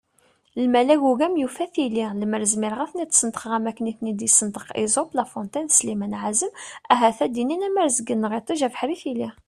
Lmal agugam yufa tili, lemmer zmireɣ ad ten-id-sneṭqeɣ am akken i ten-id-yessenṭeq Esope, La Fontaine d Slimane Ɛazem ahat ad d-inin : am rrezg-nneɣ iṭij, abeḥri, tili!